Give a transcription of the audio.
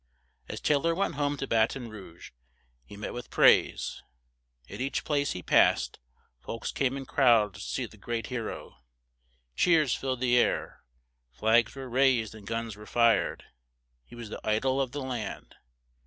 As Tay lor went home to Ba ton Rouge, he met with praise, at each place he passed; folks came in crowds to see the great he ro; cheers filled the air; flags were raised and guns were fired; he was the i dol of the land.